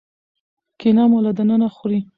کینه مو له دننه خوري.